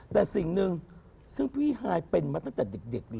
แต่สิ่งหนึ่งซึ่งพี่ฮายเป็นมาตั้งแต่เด็กเลย